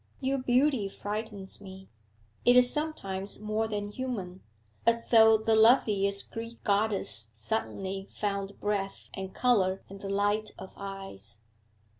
Your beauty frightens me. It is sometimes more than human as though the loveliest Greek goddess suddenly found breath and colour and the light of eyes.'